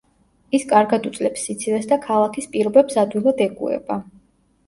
ის კარგად უძლებს სიცივეს და ქალაქის პირობებს ადვილად ეგუება.